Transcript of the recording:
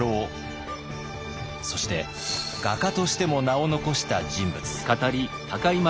そして画家としても名を残した人物。